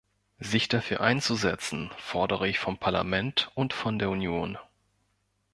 Sich dafür einzusetzen fordere ich vom Parlament und von der Union.